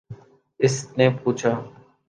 اس نے پوچھا